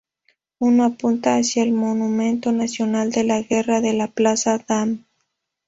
Uno apunta hacia el monumento nacional de la guerra en la plaza Dam.